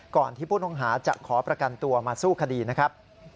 ก่อนที่ผู้ต้องหาจะขอประกันตัวมาสู้คดีนะครับ